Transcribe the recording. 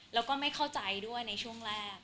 แล้วก็ไม่เข้าใจด้วยในช่วงแรก